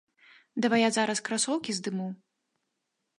Давай я зараз красоўкі здыму.